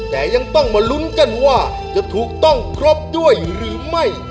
แต่ยังต้องมาลุ้นกันว่าจะถูกต้องครบด้วยหรือไม่